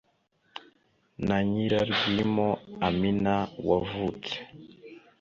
na Nyirarwimo Amina wavutse